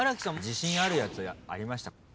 自信あるやつありました？